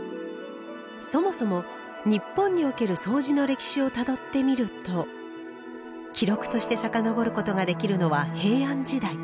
そもそも日本におけるそうじの歴史をたどってみると記録として遡ることができるのは平安時代。